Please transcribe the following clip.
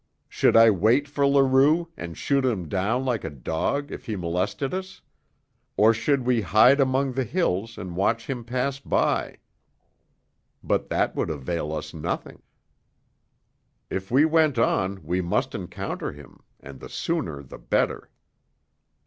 Should I wait for Leroux and shoot him down like a dog if he molested us? Or should we hide among the hills and watch him pass by? But that would avail us nothing. If we went on we must encounter him, and the sooner the better.